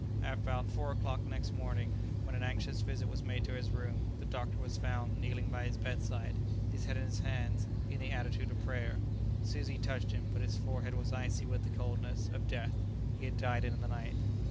About four o'clock next morning, when an anxious visit was made to his room, the doctor was found kneeling by the bed side, his head in his hands, in the attitude of prayer. Suzi touched him, but his forehead was icy with the coldness of death. He had died in the night.